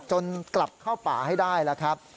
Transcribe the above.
กลับเข้าป่าให้ได้แล้วครับ